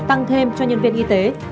tăng thêm cho nhân viên y tế